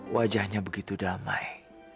wajahnya begitu damai